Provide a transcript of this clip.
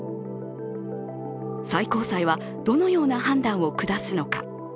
最高裁はどのような判断を下すのか。